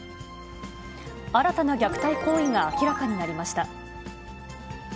新たな虐待行為が明らかになりました。